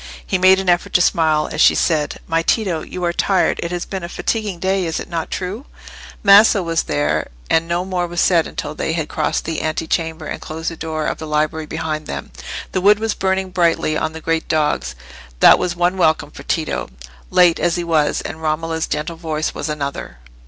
He made an effort to smile, as she said— "My Tito, you are tired; it has been a fatiguing day: is it not true?" Maso was there, and no more was said until they had crossed the ante chamber and closed the door of the library behind them. The wood was burning brightly on the great dogs; that was one welcome for Tito, late as he was, and Romola's gentle voice was another.